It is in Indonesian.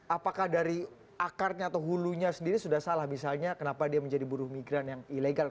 apakah dari akarnya atau hulunya sendiri sudah salah misalnya kenapa dia menjadi buruh migran yang ilegal